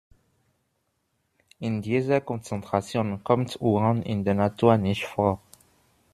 In dieser Konzentration kommt Uran in der Natur nicht vor.